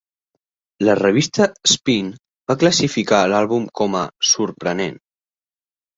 La revista "Spin" va classificar l'àlbum com a "sorprenent".